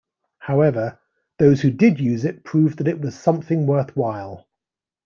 However, those who did use it proved that it was something worthwhile.